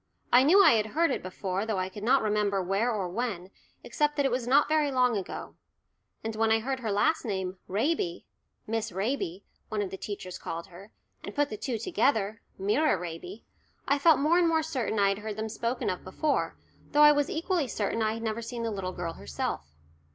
I knew I had heard it before, though I could not remember where or when, except that it was not very long ago. And when I heard her last name, "Raby" "Miss Raby" one of the other teachers called her and put the two together "Myra Raby" I felt more and more certain I had heard them spoken of before, though I was equally certain I had never seen the little girl herself.